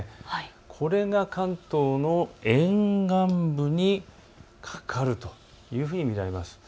これが関東の沿岸部にかかるというふうに見られます。